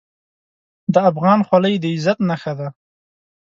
د افغان خولۍ د عزت نښه ده.